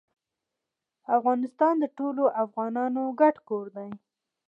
افغانستان د ټولو افغانانو ګډ کور دی